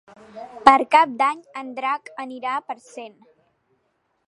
Per Cap d'Any en Drac anirà a Parcent.